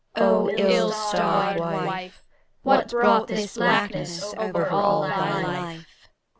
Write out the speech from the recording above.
O ill starred Wife, What brought this blackness over all thy life?